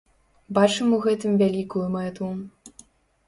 Бачым у гэтым вялікую мэту.